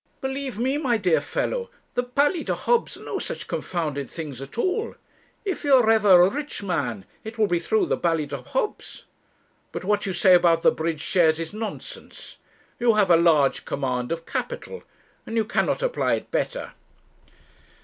'Believe me, my dear fellow, the Ballydehobs are no such confounded things at all. If you are ever a rich man it will be through the Ballydehobs. But what you say about the bridge shares is nonsense. You have a large command of capital, and you cannot apply it better.'